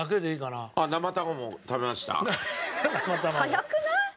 早くない？